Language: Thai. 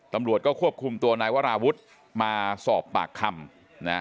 ตำรวจก็ควบคุมตัวนายวราวุฒิมาสอบปากคำนะ